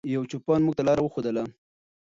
یو چوپان موږ ته لاره وښودله.